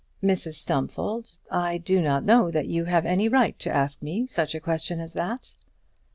"Mrs Stumfold, I do not know that you have any right to ask me such a question as that."